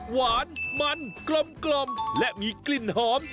หวานมันกลมและมีกลิ่นหอม